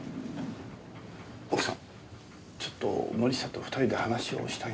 奥さんちょっと森下と２人で話をしたいんですが。